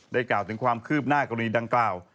กล่าวถึงความคืบหน้ากรณีดังกล่าว